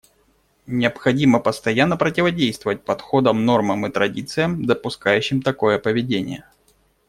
Необходимо постоянно противодействовать подходам, нормам и традициям, допускающим такое поведение.